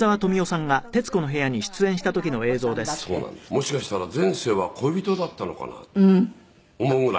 もしかしたら前世は恋人だったのかなと思うぐらい」